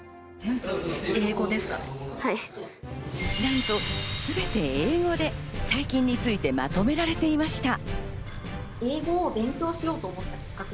なんとすべて英語で細菌についてまとめられていました。